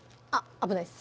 危ないです